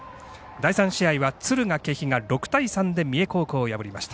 第３試合は敦賀気比が６対３で三重高校を破りました。